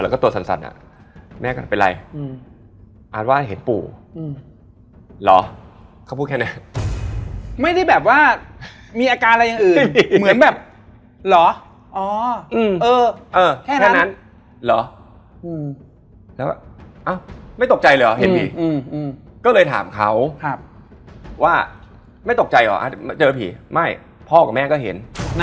อ๋อคนจีนบ้านนี้คือบ้านคนจีน